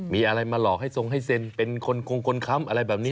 มีอะไรมาหลอกให้ทรงให้เซ็นเป็นคนคงคนค้ำอะไรแบบนี้